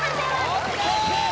ＯＫ！